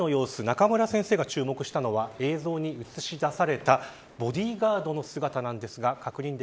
まずは演説前の様子中村先生が注目したのは映像に映し出されたボディーガードの姿なんです。